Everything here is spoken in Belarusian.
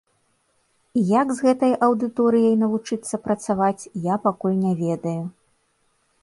І як з гэтай аўдыторыяй навучыцца працаваць, я пакуль не ведаю.